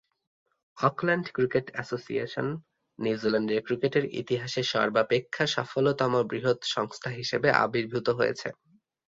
Auckland cricket association নিউজিল্যান্ডের ক্রিকেটের ইতিহাসে সর্বাপেক্ষা সফলতম বৃহৎ সংস্থা হিসেবে আবির্ভূত হয়েছে।